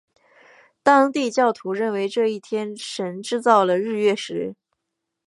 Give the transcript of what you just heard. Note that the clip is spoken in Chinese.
当地教徒认为这一天神制造了日月食。